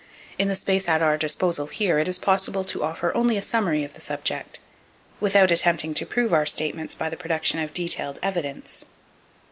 In the space at our disposal here it is possible to offer only a summary of the subject, without attempting to prove our statements by the production of detailed evidence.